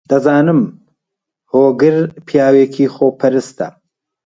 دەزانم هۆگر پیاوێکی خۆپەرستە.